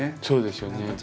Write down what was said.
そうですよね。